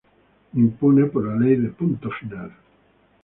Impune por la Ley de Punto Final.